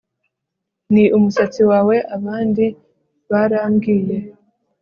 ni umusatsi wawe abandi barambwiye